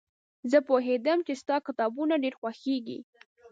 زه پوهېدم چې ستا کتابونه ډېر خوښېږي.